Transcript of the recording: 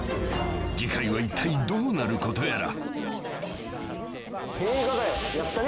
［次回はいったいどうなることやら］